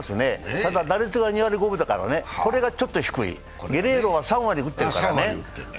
ただ打率が２割５分だからね、これがちょっと低い、ゲレーロは３割打っているからね。